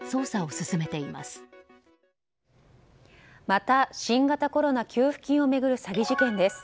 また新型コロナ給付金を巡る詐欺事件です。